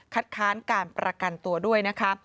ค้านการประกันตัวด้วยนะคะ